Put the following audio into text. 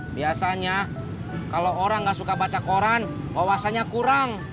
biasanya kalo orang gak suka baca koran wawasannya kurang